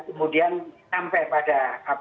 kemudian sampai pada